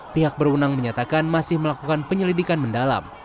pihak berunang menyatakan masih melakukan penyelidikan mendalam